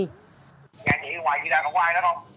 nhà chị ở ngoài chị đang có ai đó không